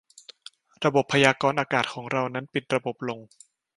ระบบพยากรณ์อากาศของเรา นั้นปิดระบบลง